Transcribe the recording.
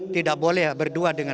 tidak boleh berdamping